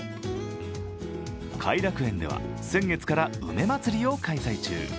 偕楽園では、先月から梅まつりを開催中。